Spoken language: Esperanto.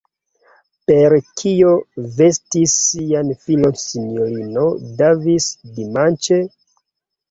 Per kio vestis sian filon S-ino Davis, dimanĉe?